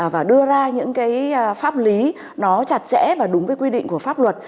và đưa ra những cái pháp lý nó chặt chẽ và đúng cái quy định của pháp luật